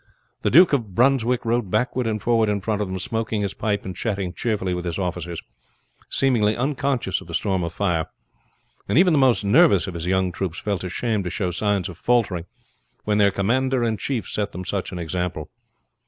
The Duke of Brunswick rode backward and forward in front of them, smoking his pipe and chatting cheerfully with his officers, seemingly unconscious of the storm of fire: and even the most nervous of his young troops felt ashamed to show signs of faltering when their commander and chief set them such an example.